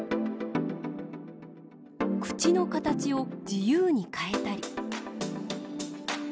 口の形を自由に変えたり。